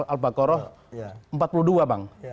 al baqarah empat puluh dua bang